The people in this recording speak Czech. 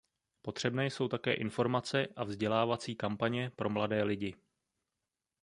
Potřebné jsou také informace a vzdělávací kampaně pro mladé lidi.